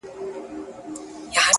o ه په سندرو کي دي مينه را ښودلې؛